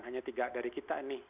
hanya tiga dari kita nih